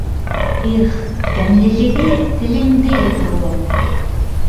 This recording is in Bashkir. Их, тәмлелеге, телеңде йотороҡ!